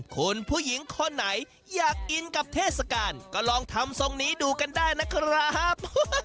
คุณผู้หญิงคนไหนอยากกินกับเทศกาลก็ลองทำทรงนี้ดูกันได้นะครับ